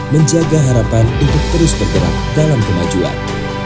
menjaga harapan untuk terus bergerak dalam kemajuan